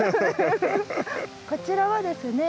こちらはですね